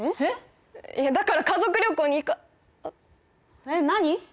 だから家族旅行に行かえっ何？